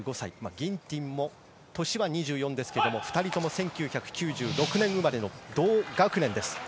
ギンティンも年は２４歳ですが２人とも１９９６年生まれの同学年です。